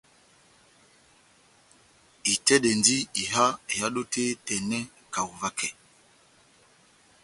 Itɛ́dɛndi iha ehádo tɛ́h etɛnɛ kaho vakɛ.